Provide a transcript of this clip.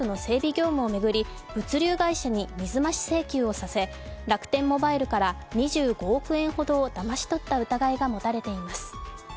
業務を巡り、物流会社に水増し請求をさせ、楽天モバイルから２５億円ほどをだまし取った疑いが持たれています。